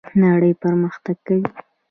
نړۍ پرمختګ کوي